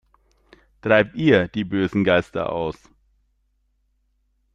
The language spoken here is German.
Treibt ihr die bösen Geister aus!